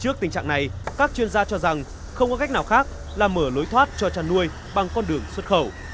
trước tình trạng này các chuyên gia cho rằng không có cách nào khác là mở lối thoát cho chăn nuôi bằng con đường xuất khẩu